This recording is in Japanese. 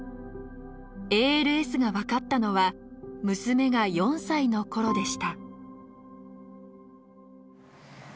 ＡＬＳがわかったのは娘が４歳のころでした。